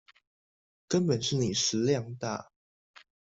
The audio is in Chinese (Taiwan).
根本是你食量大